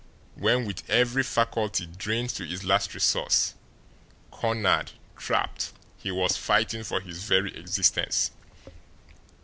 When with every faculty drained to its last resource, cornered, trapped, he was fighting for his very existence!